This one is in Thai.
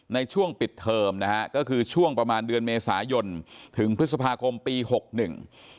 ในช่วงปิดเทอมนะฮะก็คือช่วงประมาณเดือนเมษายนถึงพฤษภาคมปีหกหนึ่ง